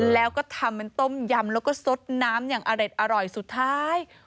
แล้วก็ทำเป็นต้มยำแล้วก็สดน้ำอย่างอเด็ดอร่อยสุดท้าย